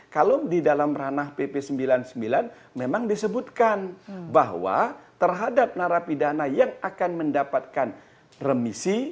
kalau di dalam ranah pp sembilan puluh sembilan memang disebutkan bahwa terhadap narapidana yang akan mendapatkan remisi